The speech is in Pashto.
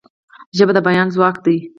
ژبه د بیان ځواک ده.